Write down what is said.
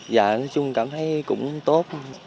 dạ nói chung cảm thấy cũng tốt